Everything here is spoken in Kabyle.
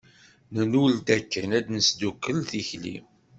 Nlul-d akken ad nesdukkel tikli.